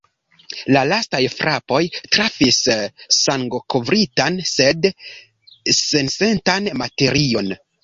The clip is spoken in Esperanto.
La lastaj frapoj trafis sangokovritan, sed sensentan materion.